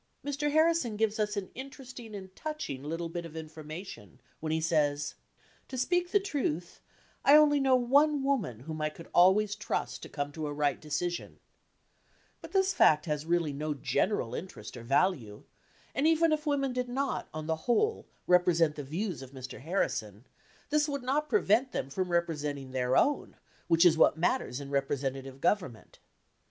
Mr. Harrison gives us an interesting and touching little bit of information when he says, "To speak the truth, I only know one woman whom I would always trust to come to a right decision"; but this fact has really no general interest or value, and even if women did not, on the whole, represent the views of Mr. Harrison, this would not prevent them from representing their own, which is what matters in representative government.